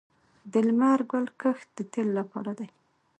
د لمر ګل کښت د تیلو لپاره دی